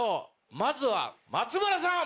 まずは松村さん。